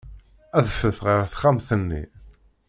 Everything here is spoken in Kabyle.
Adfet ɣer texxamt-nni.